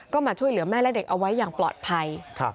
ก็มาช่วยเหลือแม่และเด็กเอาไว้อย่างปลอดภัย